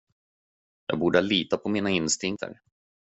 Jag borde ha litat på mina instinkter.